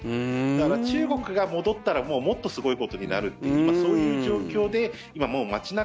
だから、中国が戻ったらもっとすごいことになるという今、そういう状況で今、もう街中。